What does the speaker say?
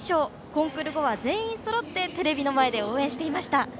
コンクール後は全員そろってテレビの前で応援していました。